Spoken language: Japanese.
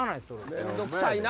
面倒くさいな！